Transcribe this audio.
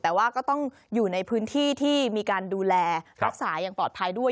แต่ว่าก็ต้องอยู่ในพื้นที่ที่มีการดูแลรักษาอย่างปลอดภัยด้วย